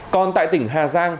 còn tại tỉnh hà giang